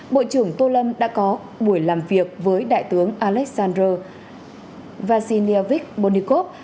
bộ trưởng tô lâm đã có buổi làm việc với đại tướng alexander vaccine bonikov